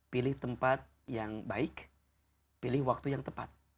pilih tempat yang baik pilih waktu yang tepat